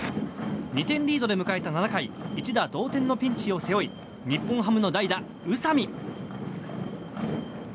２点リードで迎えた７回、一打同点のピンチを背負い日本ハムの代打、宇佐見。